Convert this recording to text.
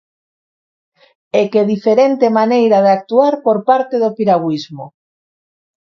E que diferente maneira de actuar por parte do piragüismo.